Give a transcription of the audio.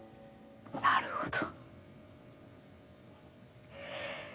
なるほど。